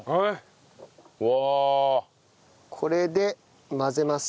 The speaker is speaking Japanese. これで混ぜます。